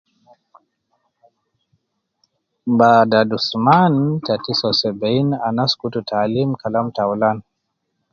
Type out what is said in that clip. Bada dusuman te tisa wu sebein anas kutu taalim sokol taulan